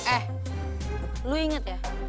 eh lu inget ya